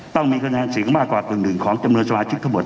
ต้องมีคุณภาษาศิริกษ์มากกว่าตรงหนึ่งของจำนวนสมาชิกทะบวด